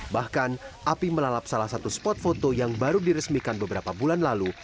bahkan api melalap salah satu spot foto yang baru diresmikan beberapa bulan lalu